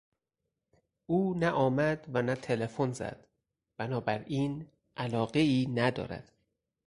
او نه آمد و نه تلفن زد; بنابراین علاقهای ندارد.